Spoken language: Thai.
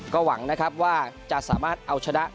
ก็หวังนะครับว่าจะสามารถเอาชนะ